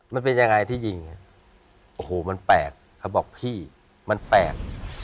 มันเป็นยังไงที่ยิงโอ้โหมันแปลกเขาบอกพี่มันแปลก